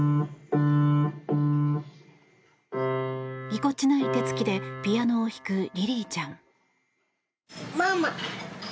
ぎこちない手つきでピアノを弾くリリィちゃん。